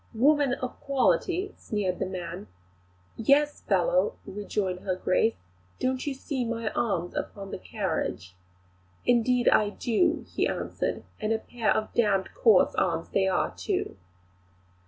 "Woman of quality!" sneered the man. "Yes, fellow," rejoined her Grace, "don't you see my arms upon my carriage?" "Indeed I do," he answered, "and a pair of d coarse arms they are, too!"